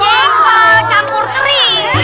jengkol campur teri